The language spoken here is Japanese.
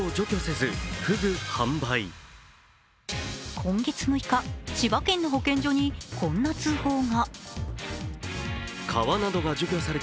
今月６日、千葉県の保健所にこんな通報が。